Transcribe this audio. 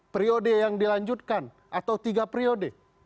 periode yang dilanjutkan atau tiga periode